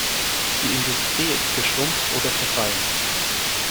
Die Industrie ist geschrumpft oder verfallen.